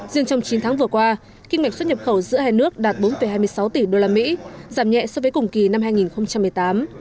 riêng trong chín tháng vừa qua kinh mạch xuất nhập khẩu giữa hai nước đạt bốn hai mươi sáu tỷ usd giảm nhẹ so với cùng kỳ năm hai nghìn một mươi tám